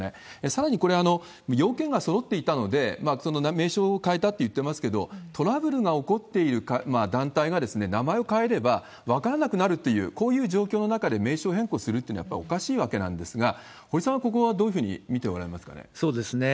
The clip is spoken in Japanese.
さらにこれ、要件がそろっていたので、その名称を変えたといっていますけれども、トラブルが起こっている団体が名前を変えれば分からなくなるという、こういう状況の中で名称変更するっていうのは、やっぱりおかしいわけなんですが、堀さんはここはどういうふうに見ておられますかそうですね。